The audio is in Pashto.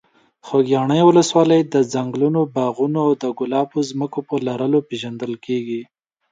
خوږیاڼي ولسوالۍ د ځنګلونو، باغونو او د ګلابو ځمکو په لرلو پېژندل کېږي.